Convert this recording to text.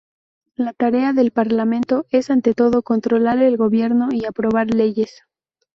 La tarea del Parlamento es, ante todo, controlar el gobierno y aprobar leyes.